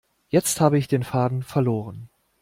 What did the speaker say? Jetzt habe ich den Faden verloren.